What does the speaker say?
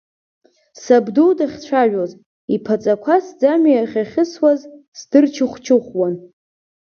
Сабду дахьцәажәоз, иԥаҵақәа сӡамҩа иахьахьысуаз сдырчыхәчыхәуан.